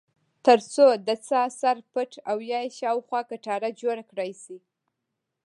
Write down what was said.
ترڅو د څاه سر پټ او یا یې خواوشا کټاره جوړه کړای شي.